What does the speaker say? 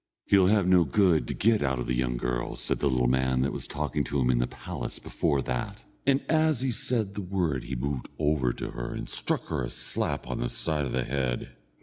"He'll have no good to get out of the young girl," said the little man that was talking to him in the palace before that, and as he said the word he moved over to her and struck her a slap on the side of the head.